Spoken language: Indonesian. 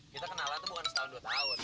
kita kenalan itu bukan setahun dua tahun